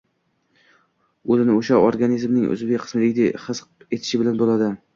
o‘zini o‘sha organizmning uzviy qismidek his etishi bilan bo‘ladi.